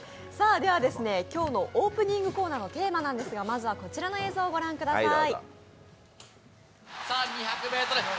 今日のオープニングコーナーのテーマですが、まずはこちらの映像をご覧ください。